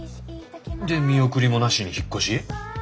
で見送りもなしに引っ越し？